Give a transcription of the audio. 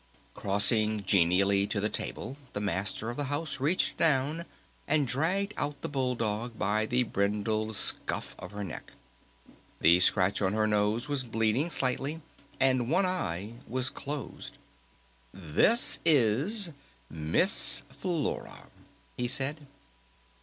Crossing genially to the table the Master of the House reached down and dragged out the Bull Dog by the brindled scuff of her neck. The scratch on her nose was still bleeding slightly. And one eye was closed. "This is Miss Flora!" he said.